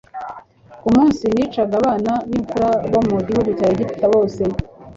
ku munsi nicaga abana b'imfura bo mu gihugu cya Egiputa bose,